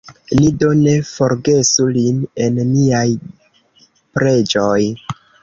Ni do ne forgesu lin en niaj preĝoj.